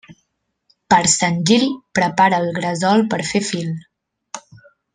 Per Sant Gil, prepara el gresol per fer fil.